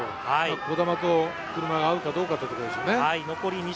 児玉と合うかどうかというところですね。